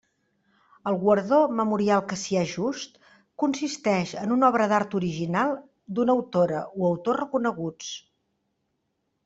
El guardó Memorial Cassià Just consisteix en una obra d'art original d'una autora o autor reconeguts.